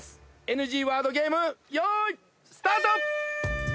ＮＧワードゲームよーいスタート！